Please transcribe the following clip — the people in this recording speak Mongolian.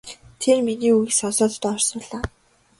Тэр миний үгийг сонсоод доош суулаа.